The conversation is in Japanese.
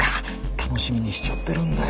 楽しみにしちゃってるんだよ。